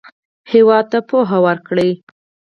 هېواد ته پوهه ورکړئ